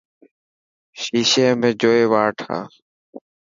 شيشي ۾ جوئي واڙ ٺاهه.